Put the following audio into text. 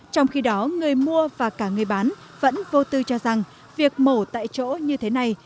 trong khi đó người mua và cả người bán vẫn vô tư cho rằng việc mổ tại chỗ như thế này